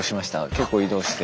結構移動して。